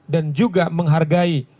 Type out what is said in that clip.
dan juga menghargai